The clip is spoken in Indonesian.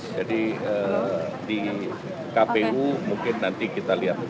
jadi di kpu mungkin nanti kita lihat